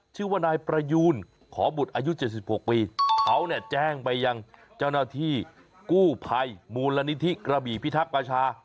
ชื่อว่านายประยูนขอบุตรอายุ๗๖ปีเขาเนี่ยแจ้งไปยังเจ้าหน้าที่กู้ภัยมูลนิธิกระบี่พิทักษ์ประชา